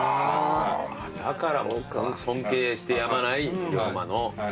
だから尊敬してやまない龍馬の。